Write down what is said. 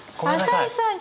朝井さん